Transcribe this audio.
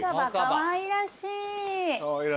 かわいらしい。